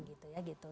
gitu ya gitu